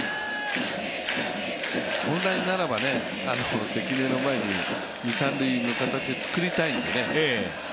本来ならば関根の前に二・三塁の形を作りたいんでね。